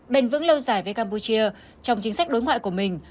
bền vững lâu dài với campuchia trong chính sách đối ngoại của mình